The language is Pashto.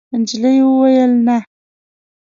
نجلۍ وویل: «نه.»